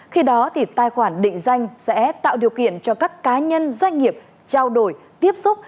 khi đó thì tài khoản định danh sẽ tạo điều kiện cho các cá nhân doanh nghiệp trao đổi tiếp xúc